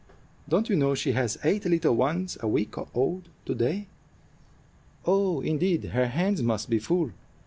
"Don't you know she has eight little ones a week old to day?" "Oh, indeed! Her hands must be full.